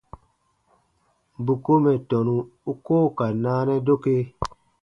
Bù ko mɛ̀ tɔnu u koo ka naanɛ doke.